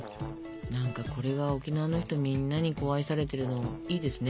何かこれが沖縄の人みんなに愛されてるのいいですね。